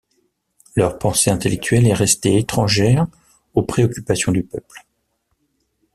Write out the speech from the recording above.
Leur pensée intellectuelle est restée étrangère aux préoccupations du peuple.